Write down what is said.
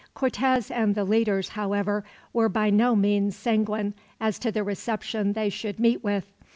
Cortez and the leaders, however, were by no means sanguine as to the reception they should meet with.